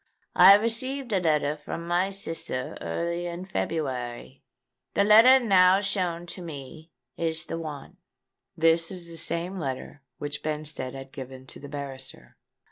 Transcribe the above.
I received a letter from my sister early in February. The letter now shown me is the one." (This was the same letter which Benstead had given to the barrister.)